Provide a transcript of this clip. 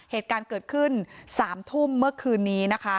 เหตุการณ์เกิดขึ้น๓ทุ่มเมื่อคืนนี้นะคะ